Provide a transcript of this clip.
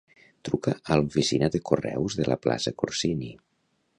Truca a l'oficina de correus de la plaça Corsini.